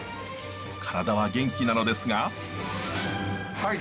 体は元気なのですが。